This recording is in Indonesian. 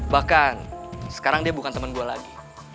bahkan sekarang dia bukan teman gue lagi